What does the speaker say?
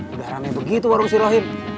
udah rame begitu warung sirohim